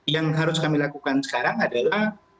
yang harus kami lakukan sekarang adalah